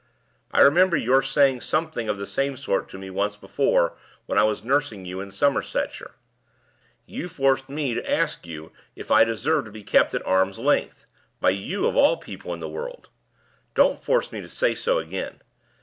I remember your saying something of the same sort to me once before when I was nursing you in Somersetshire. You forced me to ask you if I deserved to be kept at arms length by you of all the people in the world. Don't force me to say so again.